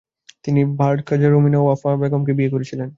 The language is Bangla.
তিনি বারাকজাই রমণী ওয়াফা বেগমকে বিয়ে করেছিলেন।